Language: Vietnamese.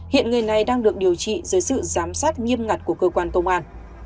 hiện người này đang được điều trị dưới sự giám sát nghiêm ngặt của cơ quan công an